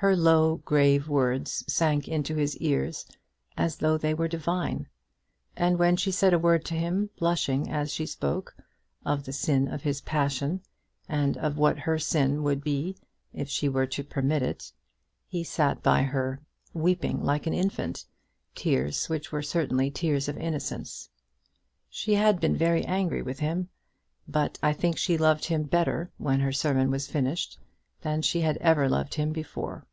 Her low, grave words sank into his ears as though they were divine; and when she said a word to him, blushing as she spoke, of the sin of his passion, and of what her sin would be if she were to permit it, he sat by her weeping like an infant, tears which were certainly tears of innocence. She had been very angry with him; but I think she loved him better when her sermon was finished, than she had ever loved him before.